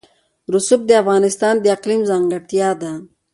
رسوب د افغانستان د اقلیم ځانګړتیا ده.